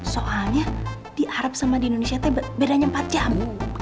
soalnya di arab sama di indonesia itu bedanya empat jam